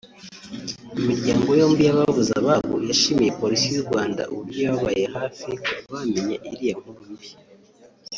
Imiryango yombi y’ababuze ababo yashimiye Polisi y’u Rwanda uburyo yababaye hafi kuva bamenya iriya nkuru mbi